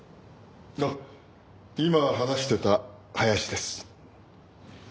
あっ今話してた林です。